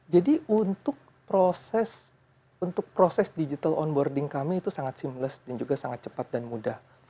jadi untuk proses digital onboarding kami itu sangat seamless dan juga sangat cepat dan mudah